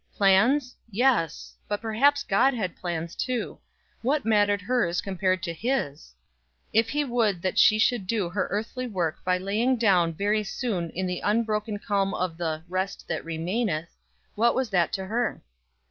Plans? YES, but perhaps God had plans too. What mattered hers compared to HIS? If he would that she should do her earthly work by lying down very soon in the unbroken calm of the "rest that remaineth," "what was that to her?"